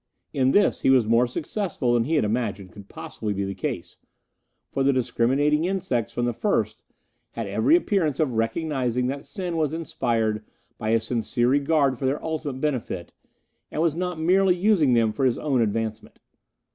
In this he was more successful than he had imagined could possibly be the case, for the discriminating insects, from the first, had every appearance of recognizing that Sen was inspired by a sincere regard for their ultimate benefit, and was not merely using them for his own advancement.